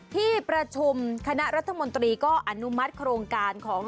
ที่ประชุมคณะรัฐมนตรีก็อนุมัติโครงการของ